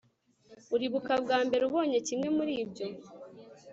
uribuka bwa mbere ubonye kimwe muri ibyo